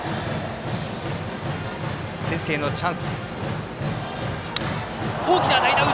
先制のチャンス。